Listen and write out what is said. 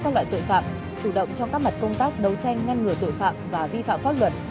các loại tội phạm chủ động trong các mặt công tác đấu tranh ngăn ngừa tội phạm và vi phạm pháp luật